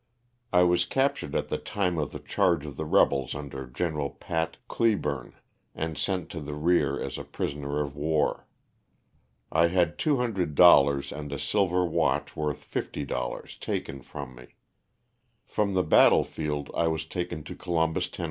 I was captured at the time of the charge of the rebels under Gen. Pat. Cleburne, and sent to the rear as a prisoner of war. I had $200 and a silver watch worth $50 taken from me. From the battle field I was taken to Columbus, Tenn.